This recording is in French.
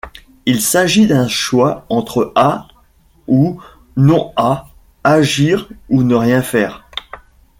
Il s'agit d'un choix entre A ou non-A, agir ou ne rien faire.